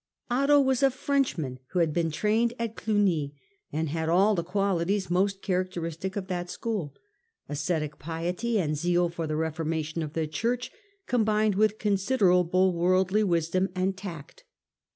Otto otto,biibop was a Frenchman who had been trained at eiected]x>pe Glugny, and had all the qualities most 1088) ' characteristic <rf that school — ascetic piety and zeal for the reformation of the Church combined with considerable worldly wisdom and tact.